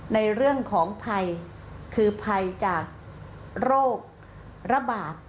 ในเรื่องของภัยคือภัยจากโรคระบาด